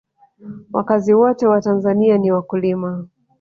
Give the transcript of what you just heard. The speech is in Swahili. wakazi wote wa tanzania ni wakulima